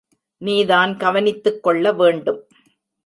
நீ தான் கவனித்துக் கொள்ளவேண்டும்.